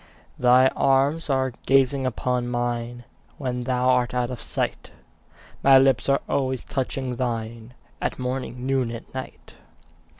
Thy eyes are gazing upon mine When thou art out of sight; My lips are always touching thine At morning, noon, and night.